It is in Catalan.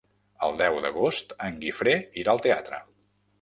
El deu d'agost en Guifré irà al teatre.